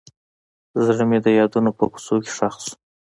زړه مې د یادونو په کوڅو کې ښخ شو.